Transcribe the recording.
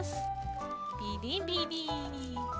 ビリビリ。